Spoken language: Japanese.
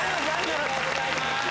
おめでとうございます。